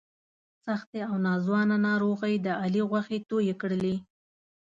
سختې او ناځوانه ناروغۍ د علي غوښې تویې کړلې.